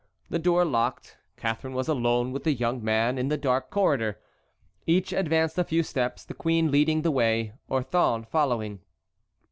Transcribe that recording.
The door locked, Catharine was alone with the young man in the dark corridor. Each advanced a few steps, the queen leading the way, Orthon following.